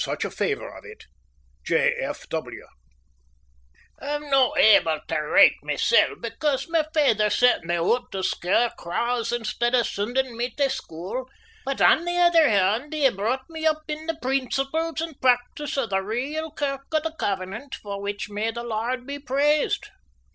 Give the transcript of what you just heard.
(1) I'm no able tae write mysel' because my feyther sent me oot to scare craws instead o' sendin' me tae school, but on the ither hond he brought me up in the preenciples and practice o' the real kirk o' the Covenant, for which may the Lord be praised!